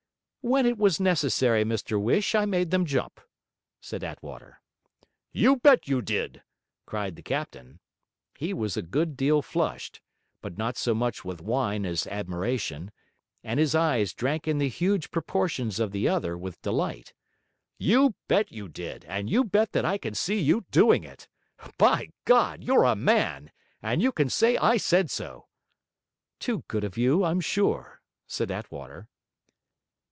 'When it was necessary, Mr Whish, I made them jump,' said Attwater. 'You bet you did,' cried the captain. He was a good deal flushed, but not so much with wine as admiration; and his eyes drank in the huge proportions of the other with delight. 'You bet you did, and you bet that I can see you doing it! By God, you're a man, and you can say I said so.' 'Too good of you, I'm sure,' said Attwater.